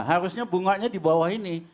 harusnya bunganya di bawah ini